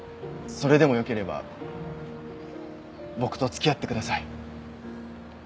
それでもよければ僕と付き合ってください。